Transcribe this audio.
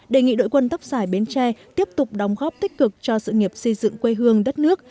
đề nghị đội quân tóc dài bến tre tiếp tục đóng góp tích cực cho sự nghiệp xây dựng quê hương đất nước